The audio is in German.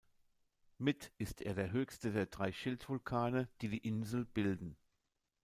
Mit ist er der höchste der drei Schildvulkane, die die Insel bilden.